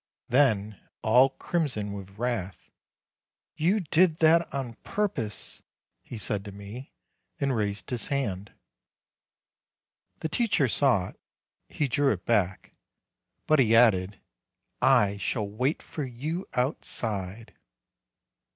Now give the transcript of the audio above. Then, all crimson with wrath, "You did that on purpose," he said to me, and raised his hand. The teacher saw it; he drew it back. But he added: "I shall wait for you outside